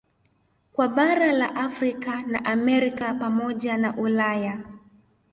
Kwa bara la Afrika na Amerika pamoja na Ulaya